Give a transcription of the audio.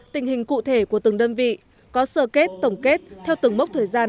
tình hình cụ thể của từng đơn vị có sơ kết tổng kết theo từng mốc thời gian